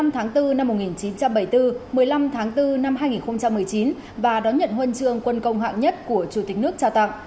một mươi tháng bốn năm một nghìn chín trăm bảy mươi bốn một mươi năm tháng bốn năm hai nghìn một mươi chín và đón nhận huân trường quân công hạng nhất của chủ tịch nước trao tặng